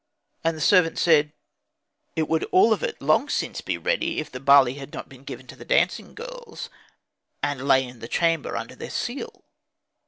And the servant answered, "It would all of it long since be ready if the barley had not been given to the dancing girls, and lay in the chamber under their seal."